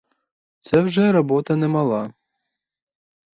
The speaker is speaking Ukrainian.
Це вже робота немала.